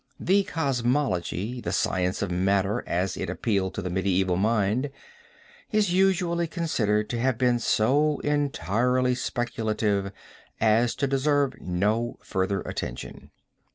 The cosmology, the science of matter as it appealed to the medieval mind, is usually considered to have been so entirely speculative as to deserve no further attention.